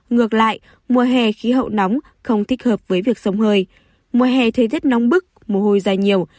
ngược lại mùa hè khí hậu nóng không thích hợp với việc sông hơi mùa hè thấy rất nóng bức mồ hôi dài nhiều